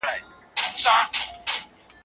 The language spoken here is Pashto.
پوهه د انسان سترګې خلاصوي.